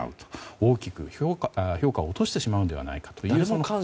大きく評価を落としてしまうのではないかと。